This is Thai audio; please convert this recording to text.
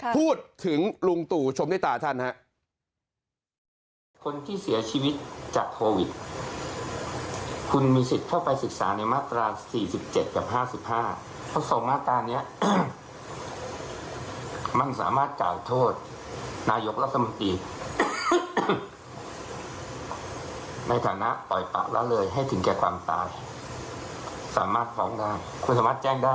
พูดถึงลุงตู่ชมด้วยตาท่านครับ